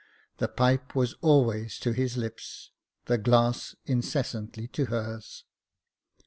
The pipe was always to his lips, the glass incessantly to hers.